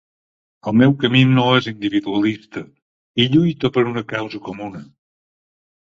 El meu camí no és individualista i lluito per una causa comuna.